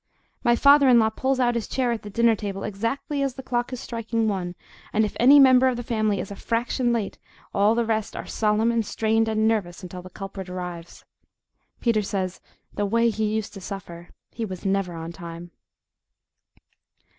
My father in law pulls out his chair at the dinner table exactly as the clock is striking one, and if any member of the family is a fraction late all the rest are solemn and strained and nervous until the culprit appears. Peter says the way he used to suffer he was NEVER on time.